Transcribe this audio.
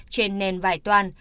trên nền vải toan